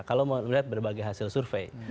kalau melihat berbagai hasil survei